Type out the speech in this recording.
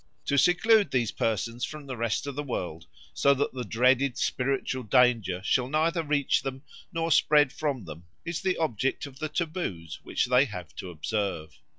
To seclude these persons from the rest of the world so that the dreaded spiritual danger shall neither reach them nor spread from them, is the object of the taboos which they have to observe.